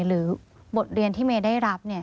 หรือบทเรียนที่เมย์ได้รับ